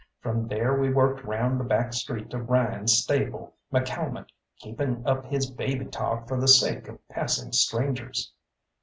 From there we worked round the back street to Ryan's stable, McCalmont keeping up his baby talk for the sake of passing strangers.